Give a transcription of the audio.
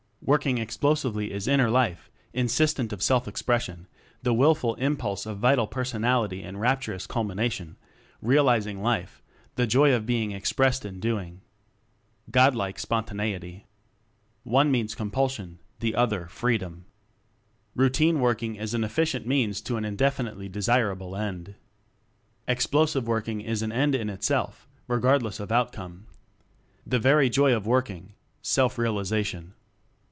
Working Explosively is inner life insistent of self expression, the willful impulse of vital personality in raptur ous culmination, realizing life the joy of being expressed in doing. God like spontaneity. 38 WORKING EXPLOSIVELY One means Compulsion; the other Freedom. Routine working is an efficient means to an indefinitely desirable end. Explosive Working is an end in itself, regardless of outcome. The very joy of working. Self realization.